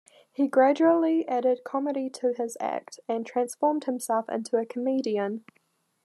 He gradually added comedy to his act, and transformed himself into a comedian.